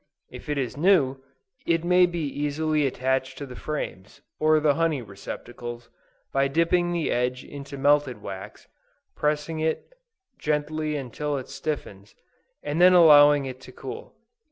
If it is new, it may be easily attached to the frames, or the honey receptacles, by dipping the edge into melted wax, pressing it gently until it stiffens, and then allowing it to cool.